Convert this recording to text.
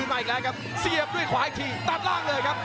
มาอีกแล้วครับเสียบด้วยขวาอีกทีตัดล่างเลยครับ